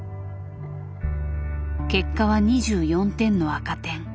結果は２４点の赤点。